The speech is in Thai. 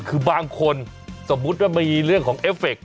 คือบางคนสมมุติว่ามีเรื่องของเอฟเฟคต